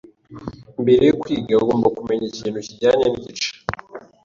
Mbere yo kwiga ugomba kumenya ikintu kijyanye nibice